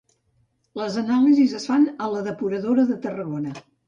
Les anàlisis es fan a la depuradora de Tarragona.